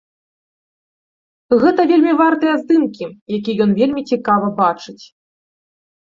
Гэта вельмі вартыя здымкі, якія ён вельмі цікава бачыць.